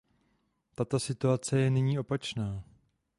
Tato situace je nyní opačná.